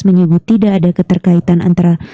menyebut tidak ada keterkaitan antara